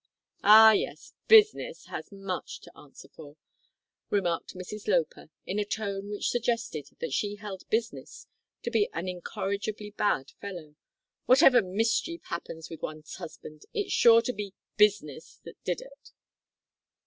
"Ah, yes, business has much to answer for," remarked Mrs Loper, in a tone which suggested that she held business to be an incorrigibly bad fellow; "whatever mischief happens with one's husband it's sure to be business that did it."